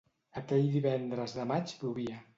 Aquell divendres de maig plovia.